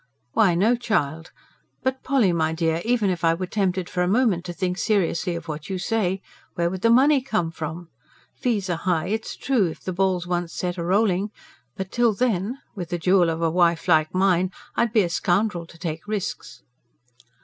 "Why, no, child. But Polly, my dear, even if I were tempted for a moment to think seriously of what you say, where would the money come from? Fees are high, it's true, if the ball's once set a rolling. But till then? With a jewel of a wife like mine, I'd be a scoundrel to take risks."